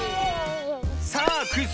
さあクイズ